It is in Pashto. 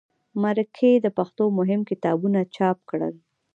مرکې د پښتو مهم کتابونه چاپ کړل.